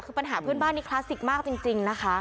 คือปัญหาเพื่อนบ้านนี้คลาสสิกมากจริงนะคะ